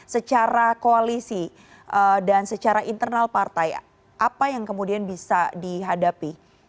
secara koalisi dan secara internal partai apa yang kemudian bisa dihadapi